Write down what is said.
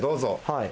はい。